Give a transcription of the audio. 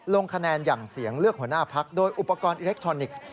ลงคะแนนอย่างเสียงเลือกหัวหน้าพักโดยอุปกรณ์อิเล็กทรอนิกส์